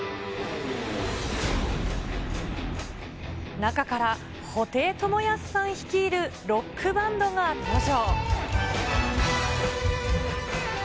中から布袋寅泰さん率いるロックバンドが登場。